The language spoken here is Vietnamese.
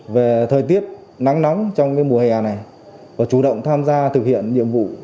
về thời tiết nắng nóng trong mùa hè này và chủ động tham gia thực hiện nhiệm vụ